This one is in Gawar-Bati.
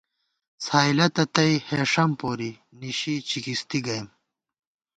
څھائیلَتہ تئ ہېݭم پوری، نِشی چِکِستی گئیم